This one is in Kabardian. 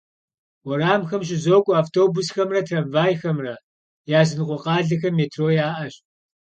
Уэрамхэм щызокӏуэ автобусхэмрэ трамвайхэмрэ, языныкъуэ къалэхэм метро яӏэщ.